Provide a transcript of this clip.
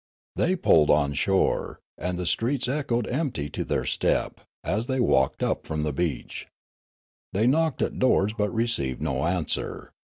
They pulled on shore, and the streets echoed empty to their step, as they walked up from the beach. They knocked at doors, but received no answer.